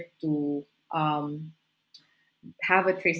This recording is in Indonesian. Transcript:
untuk memiliki sistem penyelenggaraan